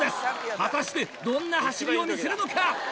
果たしてどんな走りを見せるのか？